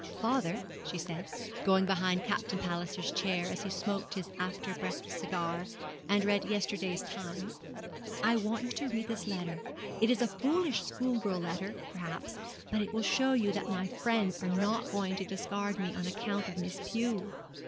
'Father,' she said, going behind Captain Palliser's chair, as he smoked his after breakfast cigar, and read yesterday's Times, 'I want you to read this letter. It is a foolish schoolgirl letter, perhaps; but it will show you that my friends are not going to discard me on account of Miss Pew.'